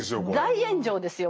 大炎上ですよ